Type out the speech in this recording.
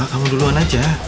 kamu duluan aja